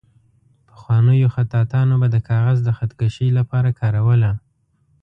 پخوانیو خطاطانو به د کاغذ د خط کشۍ لپاره کاروله.